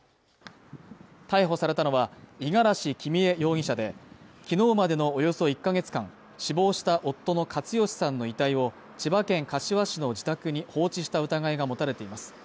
逮捕されたのは、五十嵐喜美恵容疑者で、昨日までのおよそ１か月間、死亡した夫の勝芳さんの遺体を、千葉県柏市の自宅に放置した疑いが持たれています。